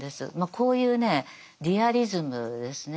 こういうねリアリズムですね。